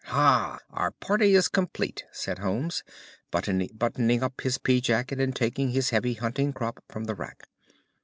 "Ha! Our party is complete," said Holmes, buttoning up his pea jacket and taking his heavy hunting crop from the rack.